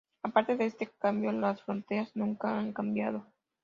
Aparte de ese cambio, las fronteras nunca han cambiado.